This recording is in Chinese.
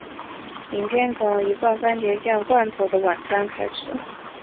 影片从一罐蕃茄酱罐头的晚餐开始。